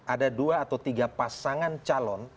ada dua atau tiga pasangan calon